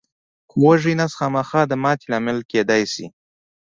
خو وږی نس خامخا د ماتې لامل کېدای شي.